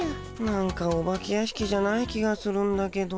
なんかお化け屋敷じゃない気がするんだけど。